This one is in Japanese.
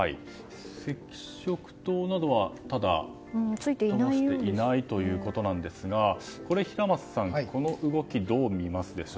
赤色灯などはついていないということですが平松さん、この動きどう見ますか？